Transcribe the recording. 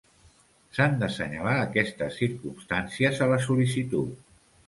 S'han d'assenyalar aquestes circumstàncies a la sol·licitud.